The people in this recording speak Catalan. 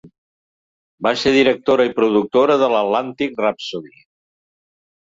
Va ser directora i productora d'"Atlantic Rhapsody".